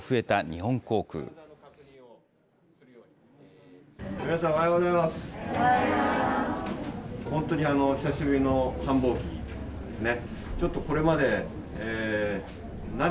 本当に久しぶりの繁忙期ですね。